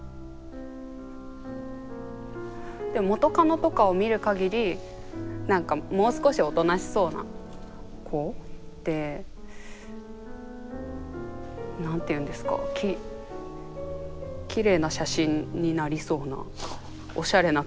でも元カノとかを見るかぎり何かもう少しおとなしそうな子で何ていうんですかきれいな写真になりそうなおしゃれな顔。